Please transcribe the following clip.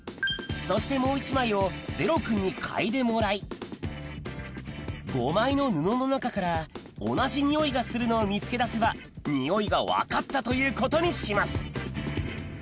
そしてもう１枚をゼロくんに嗅いでもらい５枚の布の中から同じニオイがするのを見つけ出せばニオイが分かったということにします